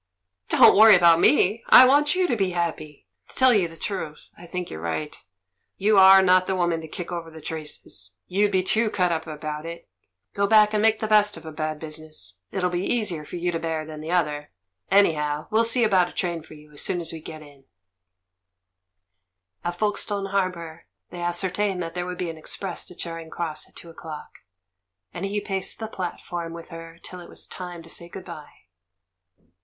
"Don't worry about me — I want you to be happy. To tell you. the truth, I think you're right — you are not the woman to kick over the traces, you'd be too cut up about it. Go back and make the best of a bad business — it'll be easier for you to bear than the other, anyhow I We'll see about a train for you as soon as we get m. At Folkestone Harbour they ascertained that there would be an express to Charing Cross at two o'clock, and he paced the platform with her till it was time to say good bye.